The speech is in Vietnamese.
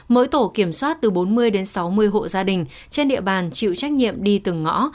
mỗi tổ kiểm soát từ bốn mươi đến sáu mươi hộ gia đình trên địa bàn chịu trách nhiệm đi từng ngõ